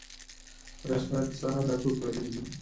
رسميات د سهار له اتو پیلیږي